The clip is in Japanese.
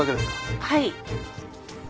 はい。